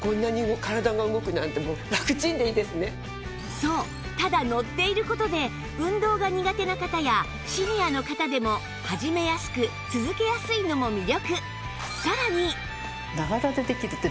そうただのっている事で運動が苦手な方やシニアの方でも始めやすく続けやすいのも魅力